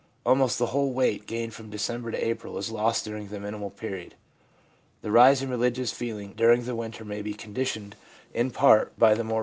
Almost the whole weight gained from December to April is lost during the minimal period. 1 The rise in religious feeling during the winter may be conditioned in part by the more rapid 1 P.